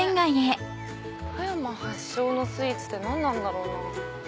富山発祥のスイーツって何なんだろうな。